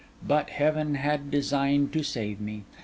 But Heaven had designed to save me.